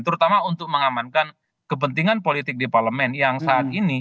terutama untuk mengamankan kepentingan politik di parlemen yang saat ini